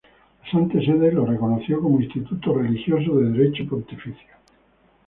La Santa Sede lo reconoció como instituto religioso de derecho pontificio.